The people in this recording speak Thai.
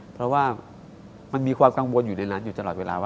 เพราะว่ามันมีความกังวลอยู่ในนั้นอยู่ตลอดเวลาว่า